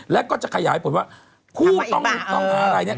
แล้วก็จะขยายผลว่าผู้ต้องหาอะไร